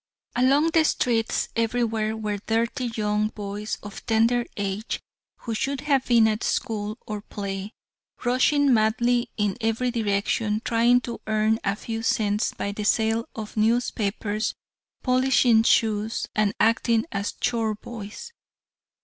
Along the streets everywhere were dirty young boys of tender age, who should have been at school or play, rushing madly in every direction, trying to earn a few cents by the sale of newspapers, polishing shoes, and acting as chore boys.